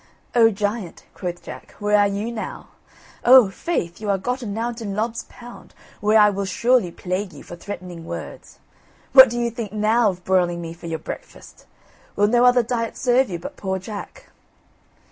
"Oh, Giant," quoth Jack, "where are you now? Oh, faith, you are gotten now into Lob's Pound, where I will surely plague you for your threatening words: what do you think now of broiling me for your breakfast? Will no other diet serve you but poor Jack?"